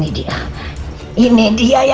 saya sudah berusaha untuk menghidupkan saya